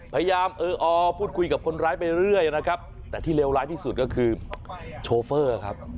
พยายามเอออพูดคุยกับคนร้ายไปเรื่อยนะครับแต่ที่เลวร้ายที่สุดก็คือโชเฟอร์ครับ